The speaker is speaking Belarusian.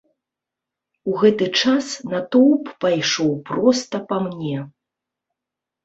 У гэты час натоўп пайшоў проста па мне.